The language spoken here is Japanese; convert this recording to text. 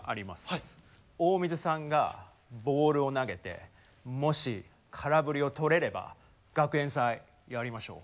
大水さんがボールを投げてもし空振りをとれれば学園祭やりましょう。